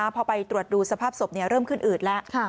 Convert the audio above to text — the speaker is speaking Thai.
พอไปตรวจดูสภาพศพเริ่มขึ้นอืดแล้ว